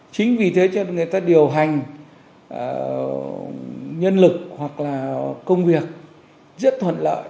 chính vì thế cho nên người ta điều hành nhân lực hoặc là công việc rất thuận lợi